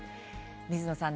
水野さん